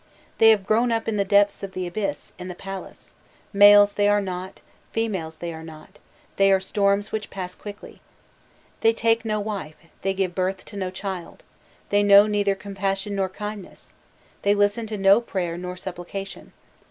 They have grown up in the depths of the abyss, in the palace; males they are not, females they are not, they are storms which pass quickly. They take no wife, they give birth to no child, they know neither compassion nor kindness, they listen to no prayer nor supplication.